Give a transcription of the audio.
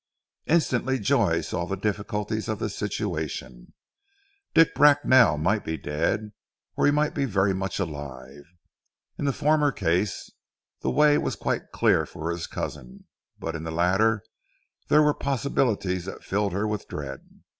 Instantly Joy saw the difficulties of the situation. Dick Bracknell might be dead, or he might be very much alive. In the former case, the way was quite clear for his cousin; but in the latter, there were possibilities that filled her with dread.